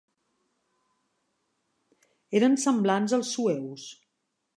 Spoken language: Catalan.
Eren semblants als sueus.